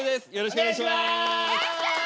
お願いします！